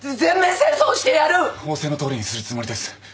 仰せの通りにするつもりです。